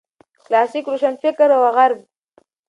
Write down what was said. کلاسیک روشنفکر او غرب